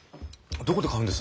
どこで買うんです？